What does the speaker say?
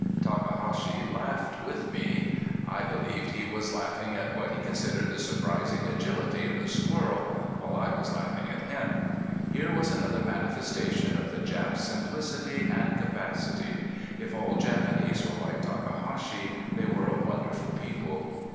Takahashi laughed with me. I believed he was laughing at what he considered the surprising agility of the squirrel, while I was laughing at him. Here was another manifestation of the Jap's simplicity and capacity. If all Japanese were like Takahashi they were a wonderful people.